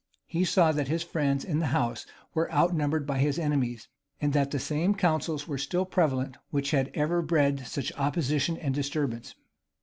He saw that his friends in the house were outnumbered by his enemies, and that the same counsels were still prevalent which had ever bred such opposition and disturbance.